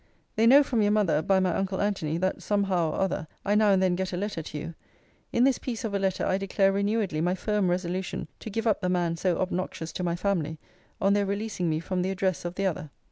They know from your mother, by my uncle Antony, that, some how or other, I now and then get a letter to you. In this piece of a letter I declare renewedly my firm resolution to give up the man so obnoxious to my family, on their releasing me from the address of the other.